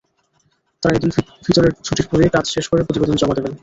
তাঁরা ঈদুল ফিতরের ছুটির পরই কাজ শেষ করে প্রতিবেদন জমা দেবেন।